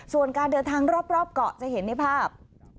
ส่วนการเดินทางรอบเกาะจะเห็นในภาพ